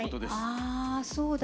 あそうだ